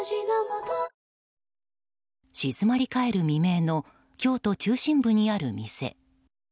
静まり返る未明の京都中心部にある店。